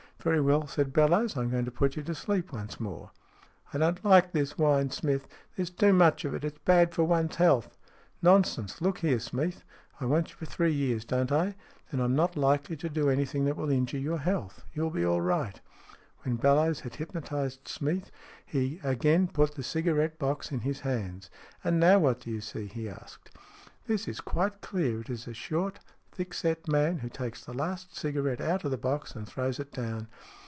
"Very well," said Bellowes. "I'm going to put you to sleep once more." " I don't like this," whined Smeath. " There's too much of it. It's bad for one's health." " Nonsense ! Look here, Smeath. I want you for three years, don't I ? Then I'm not likely to do anything that will injure your health. You'll be all right." When Bellowes had hypnotized Smeath, he again put the cigarette box in his hands. " And now what do you see ?" he asked. " This is quite clear. It is a short, thick set man who takes the last cigarette out of the box and throws it down.